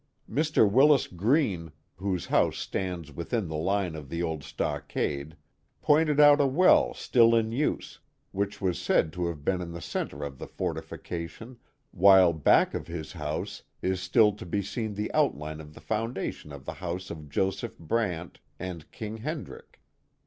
Mr. Willis Green, whose house stands within the line of the old stockade, pointed out a well still in Canajoharie — The Hills of Florida 389 use, which was said to have been in the centre of the fortifi cation, while back of his house is still to be seen the outline of the foundation of the house of Joseph Brant and King Hen drick.